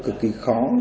cực kỳ khó